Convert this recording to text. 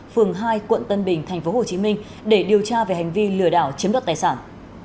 phường hai quận tân bình tp hcm để điều tra về hành vi lừa đảo chiếm đoạt tài sản